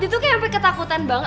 itu kayak sampai ketakutan banget